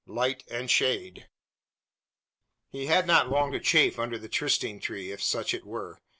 LIGHT AND SHADE. He had not long to chafe under the trysting tree, if such it were.